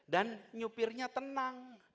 dan nyupirnya tenang